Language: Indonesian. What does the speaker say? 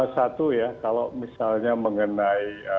satu ya kalau misalnya mengenai